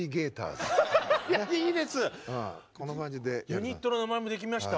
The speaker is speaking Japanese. ユニットの名前もできました。